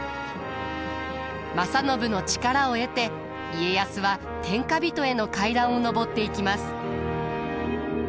正信の力を得て家康は天下人への階段を上っていきます。